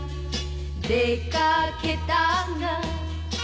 「出掛けたが」